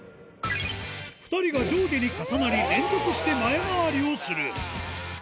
２人が上下に重なり連続して前回りをする。